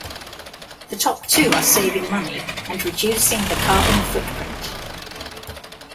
The top two are saving money, and reducing the carbon footprint.